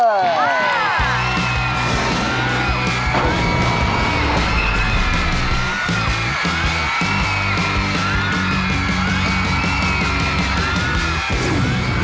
ว้าว